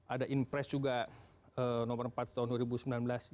ada impres juga nomor empat tahun dua ribu sembilan belas